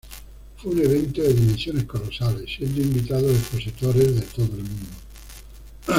Fue un evento de dimensiones colosales, siendo invitados expositores de todo el mundo.